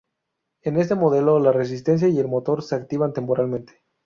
En este modelo la resistencia y el motor se activan temporalmente.